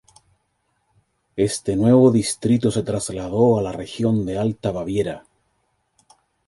Este nuevo distrito se trasladó a la región de Alta Baviera.